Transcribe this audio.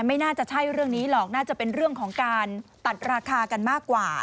ไม่น่าจะใช่เรื่องนี้หรอกน่าจะเป็นเรื่องของการตัดราคากันมากกว่า